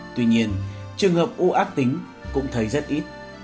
tuy nhiên trường hợp u ác tính cũng thấy rất ít